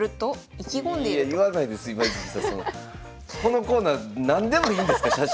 このコーナー何でもいいんですか写真。